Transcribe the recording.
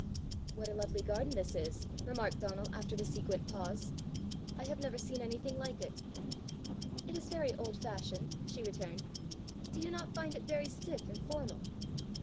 "What a lovely garden this is!" remarked Donal after the sequent pause. "I have never seen anything like it." "It is very old fashioned," she returned. "Do you not find it very stiff and formal?"